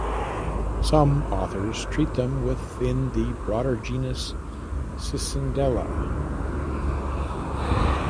Some authors treat them within the broader genus "Cicindela".